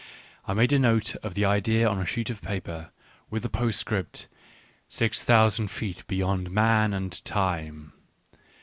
I made a note of the idea on a sheet of paper, with the postscript :" Six thousand feet beyond man and time."